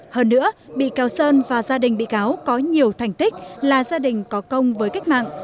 hơn nữa bị cáo sơn và gia đình bị cáo có nhiều thành tích là gia đình có công với cách mạng